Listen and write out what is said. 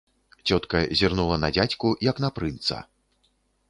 Цётка зірнула на дзядзьку, як на прынца.